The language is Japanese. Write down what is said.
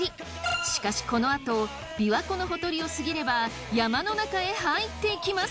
しかしこのあと琵琶湖のほとりを過ぎれば山の中へ入っていきます。